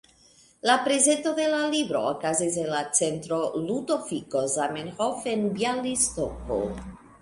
La prezento de la libro okazis la en Centro Ludoviko Zamenhof en Bjalistoko.